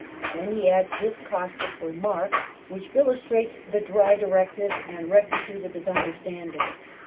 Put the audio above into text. '' Then he adds this caustic remark which 28 WELLINGTON chap. illustrates the dry directness and rectitude of his under standing.